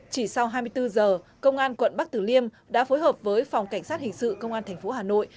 chỉ sau hai mươi bốn giờ công an quận bắc tử liêm đã phối hợp với phòng cảnh sát hình sự công an tp hà nội